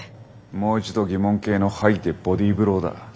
もう一度疑問形の「はい？」でボディーブローだ。